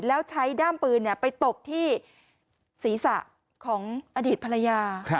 แล้วใช้ด้ามปืนไปตบที่ศีรษะของอดีตภรรยา